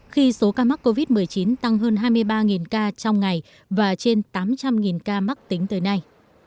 khi số ca mắc covid một mươi chín tăng hơn hai mươi ba ca trong ngày và trên tám trăm linh ca mắc tính tới nay